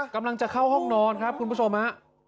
กำลังจะเข้าห้องนอนครับคุณผู้ชมฮะ